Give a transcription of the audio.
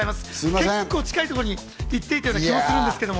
結構近いところに行っていた気もするんですけど。